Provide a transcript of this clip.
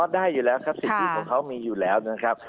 ได้อยู่แล้วครับสิทธิของเขามีอยู่แล้วนะครับ